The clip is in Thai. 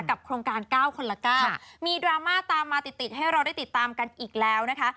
โครงการ๙คนละ๙มีดราม่าตามมาติดติดให้เราได้ติดตามกันอีกแล้วนะคะ